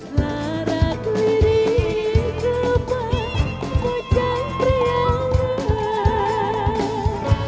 larat lirik gelap